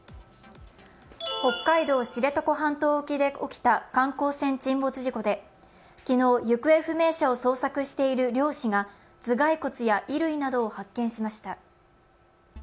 北海道知床半島沖で起きた観光船沈没事故で昨日、行方不明者を捜索している漁師が頭蓋骨や衣類などを発見しました。